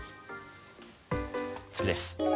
次です。